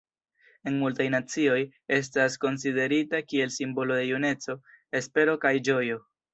En multaj nacioj, estas konsiderita kiel simbolo de juneco, espero kaj ĝojo.